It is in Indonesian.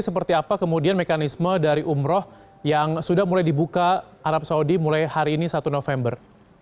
seperti apa kemudian mekanisme dari umroh yang sudah mulai dibuka arab saudi mulai hari ini satu november